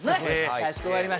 かしこまりました。